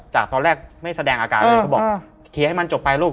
ตอนแรกไม่แสดงอาการเลยเขาบอกเคลียร์ให้มันจบไปลูก